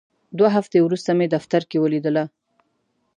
دوه هفتې وروسته مې دفتر کې ولیدله.